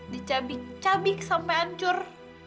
dicabik cabik sampe hancur